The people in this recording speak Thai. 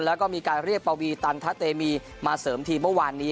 แล้วก็มีการเรียกปวีตันทะเตมีมาเสริมทีมเมื่อวานนี้